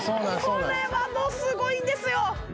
これはもうすごいんですよ